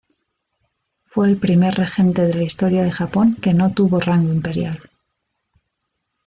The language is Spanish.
Fue el primer regente de la historia de Japón que no tuvo rango imperial.